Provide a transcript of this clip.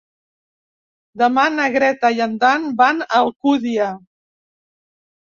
Demà na Greta i en Dan van a Alcúdia.